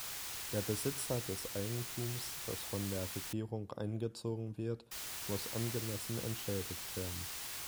Der Besitzer des Eigentums, das von der Regierung eingezogen wird, muss angemessen entschädigt werden.